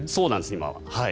今は。